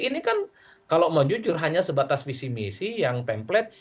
ini kan kalau mau jujur hanya sebatas visi misi yang pemplet